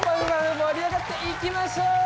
盛り上がっていきましょう！